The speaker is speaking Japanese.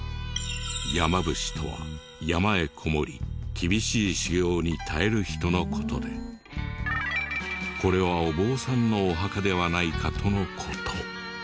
山伏とは山へこもり厳しい修行に耐える人の事でこれはお坊さんのお墓ではないかとの事。